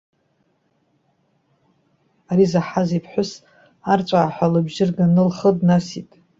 Ари заҳаз иԥҳәыс, арҵәаа ҳәа лыбжьы рганы, лхы днасит.